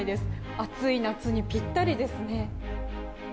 暑い夏にぴったりですね。